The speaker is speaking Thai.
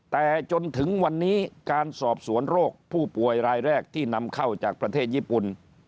แต่จนถึงวันนี้การสอบสวนโรคผู้ป่วยรายแรกที่นำเข้าจากประเทศญี่ปุ่น